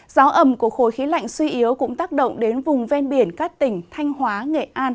gió ẩm của khối khí lạnh suy yếu cũng tác động đến vùng ven biển các tỉnh thanh hóa nghệ an